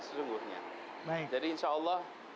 sesungguhnya jadi insya allah